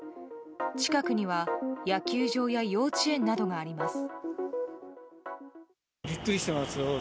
近くには野球場や幼稚園などがあります。